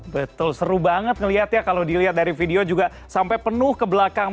betul seru banget ngelihat ya kalau dilihat dari video juga sampai penuh ke belakang